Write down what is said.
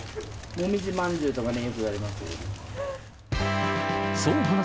もみじまんじゅうとかよく言われます。